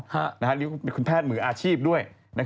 หรือคุณแพทย์มืออาชีพด้วย